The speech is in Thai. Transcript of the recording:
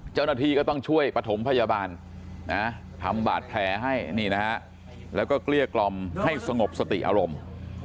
เจ้าหน้าที่ก็ต้องช่วยปฐมพยาบาลทำบาดแผลให้นี่นะฮะแล้วก็เกลี้ยกล่อมให้สงบสติอารมณ์